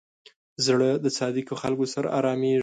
زړه د صادقو خلکو سره آرامېږي.